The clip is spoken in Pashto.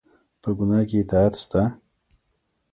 په ګناه کې اطاعت شته؟